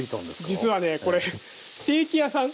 実はねこれステーキ屋さん